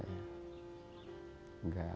honey anak yang cantik